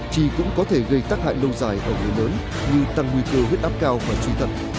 trì cũng có thể gây tác hại lâu dài ở người lớn như tăng nguy cơ huyết áp cao và truy tật